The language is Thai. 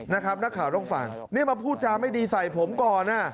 นักข่าวต้องฟังนี่มาพูดจาไม่ดีใส่ผมก่อน